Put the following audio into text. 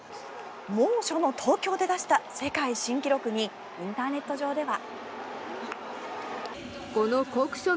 猛暑の東京で出した世界新記録にインターネット上では。